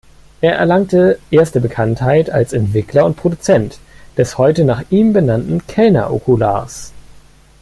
Er erlangte erste Bekanntheit als Entwickler und Produzent des heute nach ihm benannten Kellner-Okulars.